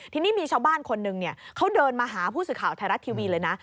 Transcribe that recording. ทีนี้มีชาวบ้านคนหนึ่งเขาเดินมาหาผู้สื่อข่าวไทยรัฐทีวีเลยนะ